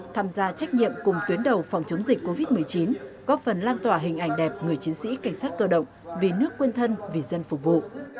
tham gia trách nhiệm cùng tuyến đầu phòng chống dịch covid một mươi chín góp phần lan tỏa hình ảnh đẹp người chiến sĩ cảnh sát cơ động vì nước quân thân vì dân phục vụ